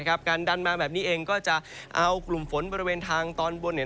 การดันมาแบบนี้เองก็จะเอากลุ่มฝนบริเวณทางตอนบน